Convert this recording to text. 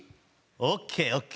ＯＫＯＫ！